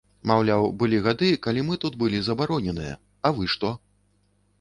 Маўляў, былі гады, калі мы тут былі забароненыя, а вы што?